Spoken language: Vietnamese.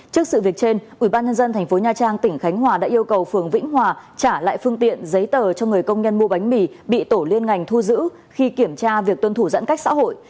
trước sự việc trên ubnd tp nha trang tỉnh khánh hòa đã yêu cầu phường vĩnh hòa trả lại phương tiện giấy tờ cho người công nhân mua bánh mì bị tổ liên ngành thu giữ khi kiểm tra việc tuân thủ giãn cách xã hội